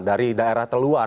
dari daerah terluar